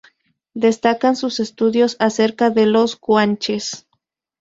Destacan sus estudios acerca de los guanches.